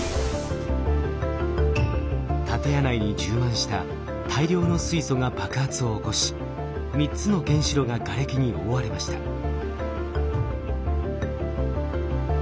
建屋内に充満した大量の水素が爆発を起こし３つの原子炉ががれきに覆われました。